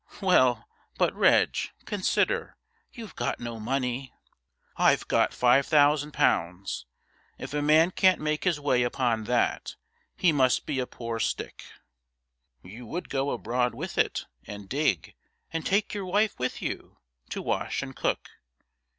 'Well, but, Reg, consider; you've got no money.' 'I've got five thousand pounds. If a man can't make his way upon that he must be a poor stick.' 'You would go abroad with it and dig, and take your wife with you to wash and cook.'